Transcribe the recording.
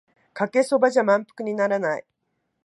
かけそばじゃ満腹にならない